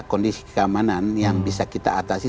kondisi keamanan yang bisa kita atasi